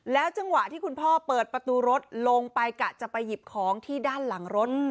จังหวะที่คุณพ่อเปิดประตูรถลงไปกะจะไปหยิบของที่ด้านหลังรถ